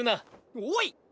おい！